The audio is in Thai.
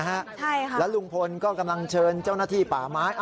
ใช่ค่ะแล้วลุงพลก็กำลังเชิญเจ้าหน้าที่ป่าไม้